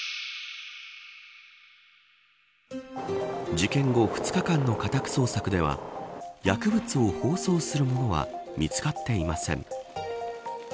事件後２日間の家宅捜索では薬物を包装するものは見つかっていません。